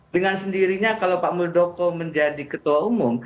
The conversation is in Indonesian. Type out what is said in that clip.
dengan sendirinya kalau pak muldoko menjadi ketua umum